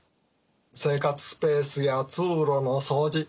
生活スペースや通路の掃除